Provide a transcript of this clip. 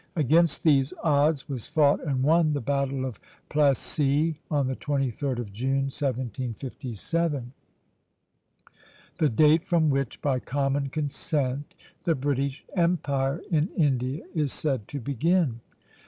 Against these odds was fought and won the battle of Plassey, on the 23d of June, 1757, the date from which, by common consent, the British empire in India is said to begin.